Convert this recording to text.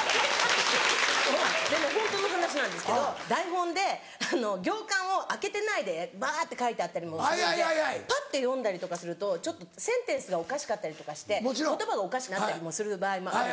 でもホントの話なんですけど台本で行間を空けてないでバって書いてあったりもするんでパッて読んだりとかするとちょっとセンテンスがおかしかったりとかして言葉がおかしくなったりもする場合もある。